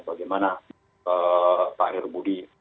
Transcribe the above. bagaimana pak heru budi